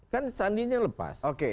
kan sandinya lepas oke